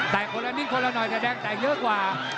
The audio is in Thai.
แต่คนละนิดคนละหน่อยแต่แดงแตกเยอะกว่า